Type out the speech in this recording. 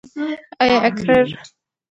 اگر رحیم غلی وای نو پاڼه به نه خفه کېده.